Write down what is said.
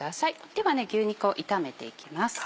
では牛肉を炒めていきます。